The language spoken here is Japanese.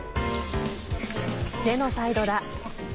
ジェノサイドだ。